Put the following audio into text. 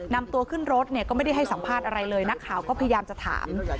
นำตัวขึ้นรถเนี่ยก็ไม่ได้ให้สัมภาษณ์อะไรเลยนักข่าวก็พยายามจะถาม